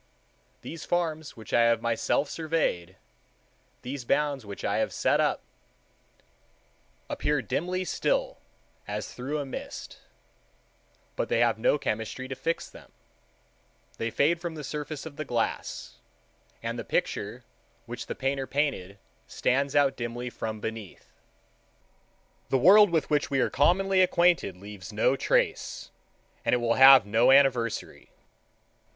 These farms which I have myself surveyed, these bounds which I have set up, appear dimly still as through a mist; but they have no chemistry to fix them; they fade from the surface of the glass, and the picture which the painter painted stands out dimly from beneath. The world with which we are commonly acquainted leaves no trace, and it will have no anniversary.